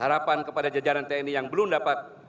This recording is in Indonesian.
harapan kepada jajaran tni yang belum dapat